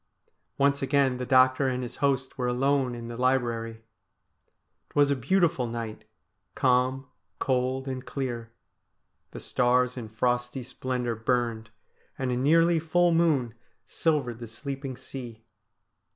Once again the doctor and his host were alone in the library. It was a beautiful night, calm, cold, and clear. The stars in frosty splendour burned, and a nearly full moon silvered the sleeping sea.